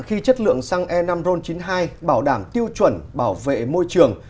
khi chất lượng xăng e năm ron chín mươi hai bảo đảm tiêu chuẩn bảo vệ môi trường